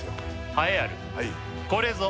栄えあるこれぞ！